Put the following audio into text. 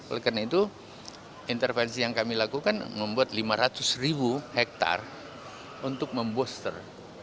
oleh karena itu intervensi yang kami lakukan membuat lima ratus ribu hektare untuk memboster